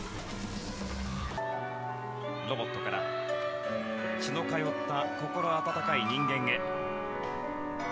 ロボットから血の通った心温かい人間へ。